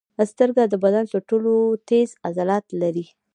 سترګې د بدن تر ټولو تېز عضلات لري.